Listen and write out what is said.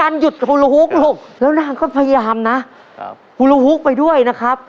รุนมั้ย